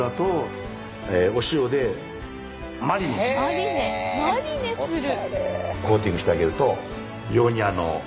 マリネマリネする！